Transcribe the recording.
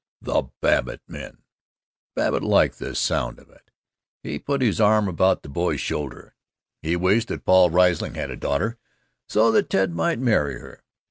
"The Babbitt men!" Babbitt liked the sound of it. He put his arm about the boy's shoulder. He wished that Paul Riesling had a daughter, so that Ted might marry her.